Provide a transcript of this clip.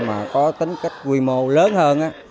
mà có tính cách quy mô lớn hơn